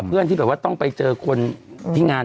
เพื่อนที่แบบว่าต้องไปเจอกับคนที่งาน